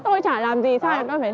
tôi chả làm gì sao em có phải thích